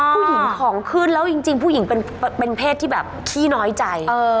ผู้หญิงของขึ้นแล้วจริงผู้หญิงเป็นเพศที่แบบขี้น้อยใจ